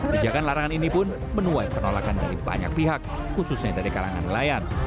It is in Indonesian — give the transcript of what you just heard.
bijakan larangan ini pun menuai penolakan dari banyak pihak khususnya dari kalangan nelayan